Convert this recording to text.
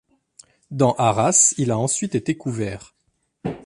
Dans Arras il a ensuite été couvert.